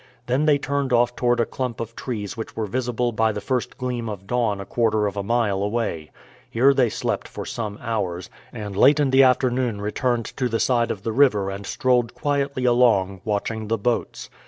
Then they turned off toward a clump of trees which were visible by the first gleam of dawn a quarter of a mile away. Here they slept for some hours, and late in the afternoon returned to the side of the river and strolled quietly along, watching the boats.